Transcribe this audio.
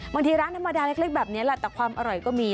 บางทีร้านธรรมดาเล็กแบบนี้แหละแต่ความอร่อยก็มี